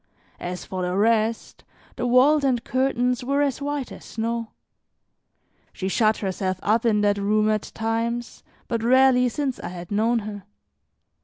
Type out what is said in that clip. As for the rest, the walls and curtains were as white as snow. She shut herself up in that room at times, but rarely since I had known her.